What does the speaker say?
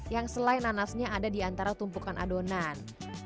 yang selain nanasnya ada di antara tumpukan adonan